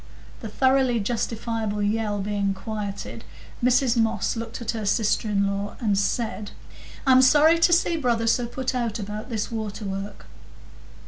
The thoroughly justifiable yell being quieted, Mrs Moss looked at her sister in law and said,— "I'm sorry to see brother so put out about this water work."